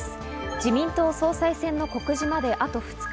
自民党総裁選の告示まであと２日。